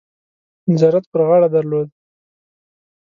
نظارت پر غاړه درلود.